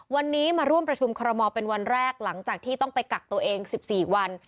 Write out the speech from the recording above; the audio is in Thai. วันนี้มาร่วมประชุมคอรมอลเป็นวันแรกหลังจากที่ต้องไปกักตัวเอง๑๔วัน